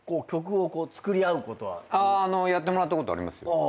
やってもらったことありますよ。